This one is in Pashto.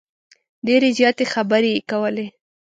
ډیرې زیاتې خبرې یې کولې.